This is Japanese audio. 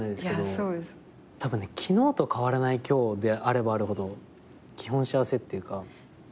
たぶんね昨日と変わらない今日であればあるほど基本幸せっていうか。